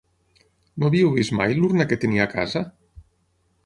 No havíeu vist mai l'urna que tenia a casa?